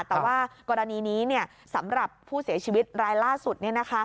แต่ว่ากรณีนี้สำหรับผู้เสียชีวิตรายล่าสุด